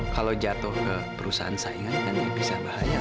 kalau jatuh ke perusahaan saingan kan bisa bahaya